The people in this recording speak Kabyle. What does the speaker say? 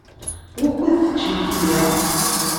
Wukud tečča imekli?